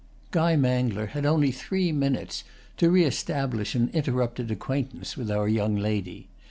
Guy Mangler had only three minutes to reëstablish an interrupted acquaintance with our young lady.